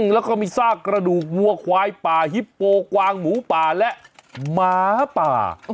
แล้วก็มีซากกระดูกวัวควายป่าฮิปโปกวางหมูป่าและหมาป่า